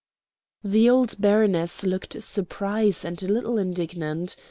The old baroness looked surprised and a little indignant.